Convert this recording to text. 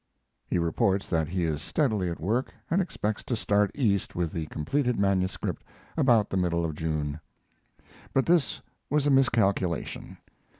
He reports that he is steadily at work, and expects to start East with the completed manuscript about the middle of June. But this was a miscalculation.